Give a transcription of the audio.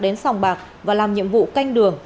đến sòng bạc và làm nhiệm vụ canh đường